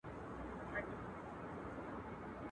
شاعره ستا تر غوږ مي چیغي رسولای نه سم !.